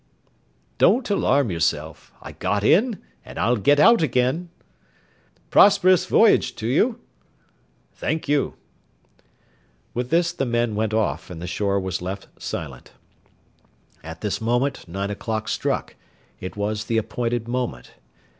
"Don't alarm yourself. I got in and I'll get out again." "Prosperous voyage to you!" "Thank you." With this the men went off, and the shore was left silent. At this moment nine o'clock struck; it was the appointed moment.